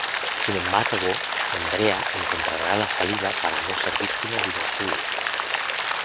Sin embargo, Andrea encontrará la salida para no ser víctima ni verdugo.